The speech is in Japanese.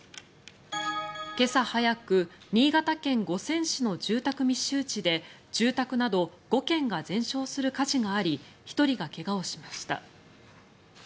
今朝早く新潟県五泉市の住宅密集地で住宅など５軒が全焼する火事があり１人が怪我をしました。